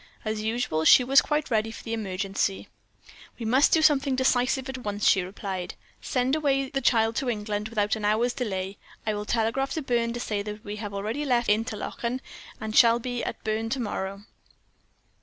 "As usual, she was quite ready for the emergency. "'We must do something decisive at once,' she replied; 'send away the child to England without an hour's delay. I will telegraph to Berne to say that we have already left Interlachen, and shall be at Berne to morrow.'